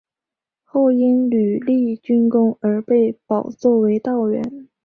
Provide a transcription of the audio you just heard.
后因屡立军功而被保奏为道员。